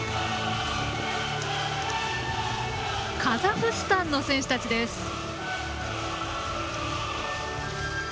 カザフスタンの選手たちです。